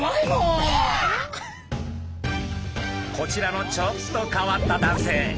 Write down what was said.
こちらのちょっと変わった男性。